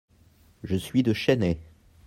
Je suis de Chennai.